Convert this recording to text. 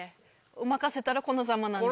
任せたらこのザマなんで。